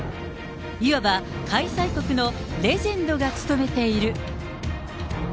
いわば開催国のレジェンドが務めている。